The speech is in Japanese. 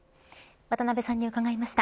渡辺さんに伺いました。